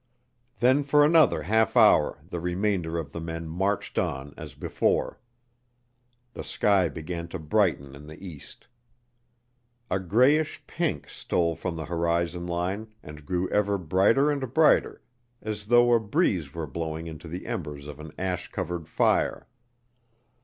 Then for another half hour the remainder of the men marched on as before. The sky began to brighten in the east. A grayish pink stole from the horizon line and grew ever brighter and brighter as though a breeze were blowing into the embers of an ash covered fire.